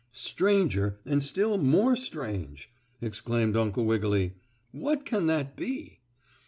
"Stranger and still more strange!" exclaimed Uncle Wiggily; "what can that be?"